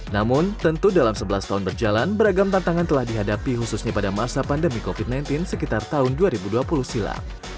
namun tentu dalam sebelas tahun berjalan beragam tantangan telah dihadapi khususnya pada masa pandemi covid sembilan belas sekitar tahun dua ribu dua puluh silam